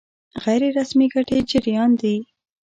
غیر رسمي ګټې جريان دي.